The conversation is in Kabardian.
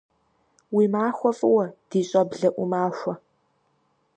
Уи махуэ фӏыуэ, ди щӏэблэ ӏумахуэ!